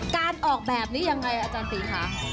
การออกแบบนี้ยังไงอาจารย์ตีค่ะ